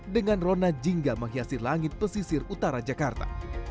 dengan rona jingga menghiasi langit pesisir utara jakarta